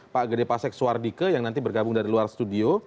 pak gede pasek suardike yang nanti bergabung dari luar studio